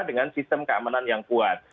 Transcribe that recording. dengan sistem keamanan yang kuat